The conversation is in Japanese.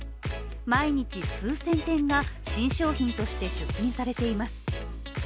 毎日数千点が新商品として出品されています。